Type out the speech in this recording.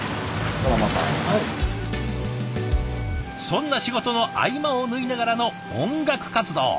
そんな仕事の合間を縫いながらの音楽活動。